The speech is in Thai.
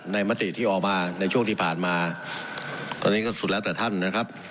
มติที่ออกมาในช่วงที่ผ่านมาตอนนี้ก็สุดแล้วแต่ท่านนะครับ